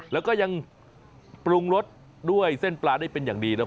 แล้วก็ยังปรุงรสด้วยเส้นปลาได้เป็นอย่างดีนะ